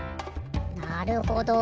なるほど。